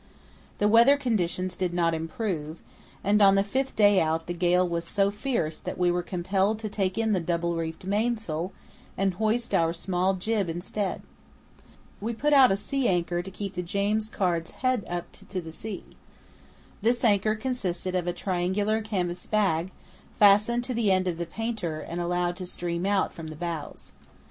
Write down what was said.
The weather conditions did not improve, and on the fifth day out the gale was so fierce that we were compelled to take in the double reefed mainsail and hoist our small jib instead. We put out a sea anchor to keep the James Caird's head up to the sea. This anchor consisted of a triangular canvas bag fastened to the end of the painter and allowed to stream out from the bows.